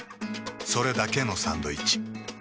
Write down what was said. それだけのサンドイッチ。